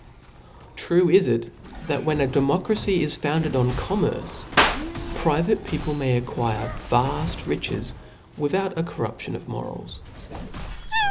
True it is, that when a democracy is founded in tommcrce, priv«e people may acquire vaft riches tvithout a corruption of morals.